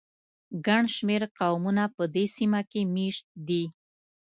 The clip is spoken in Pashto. ګڼ شمېر قومونه په دې سیمه کې مېشت دي.